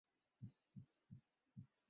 দিনে-দুপুরে ঘর থেকে খাবারদাবার নিয়ে যায়।